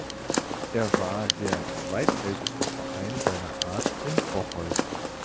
Er war der zweitälteste Verein seiner Art in Bocholt.